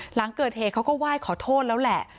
หลังเกิดเหตุเขาก็ไหว้ขอโทษแล้วแหละ